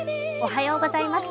おはようございます。